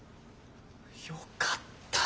よかったぁ。